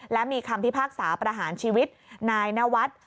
และมีคำพิพากษาประหารชีวิตนายนวัฒน์